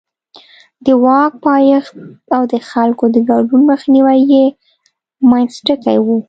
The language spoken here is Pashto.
د واک پایښت او د خلکو د ګډون مخنیوی یې منځ ټکی و.